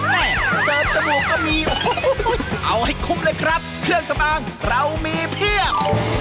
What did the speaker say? เสิร์ฟจมูกก็มีเอาให้คุ้มเลยครับเครื่องสปางเรามีเพียบ